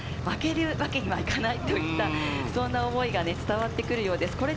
負けるわけにはいかないといった思いが伝わってくるようです。